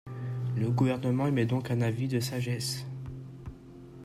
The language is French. Le Gouvernement émet donc un avis de sagesse.